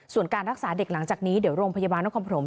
ส่วนการรักษาเด็กหลังจากนี้เดี๋ยวโรงพยาบาลนครพรม